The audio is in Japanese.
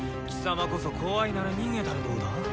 貴様こそ怖いなら逃げたらどうだ？